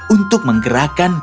untuk menggerakkan kakimu